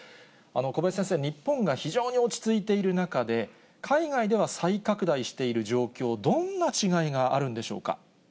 小林先生、日本が非常に落ち着いている中で、海外では再拡大している状況、どんな違いがあるんでしょうか。